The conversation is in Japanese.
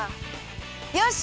よし！